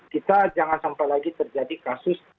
kita jangan sampai lagi terjadi kasus